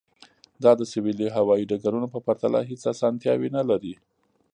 دا د سویلي هوایی ډګرونو په پرتله هیڅ اسانتیاوې نلري